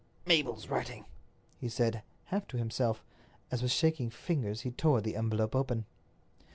"Mabel's writing," he said, half to himself, as, with shaking fingers, he tore the envelope open.